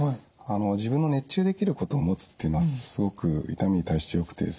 自分の熱中できることをもつっていうのはすごく痛みに対してよくってですね